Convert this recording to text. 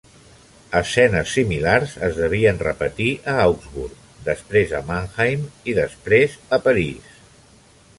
Escenes similars es devien repetir a Augsburg, després a Mannheim i després a París.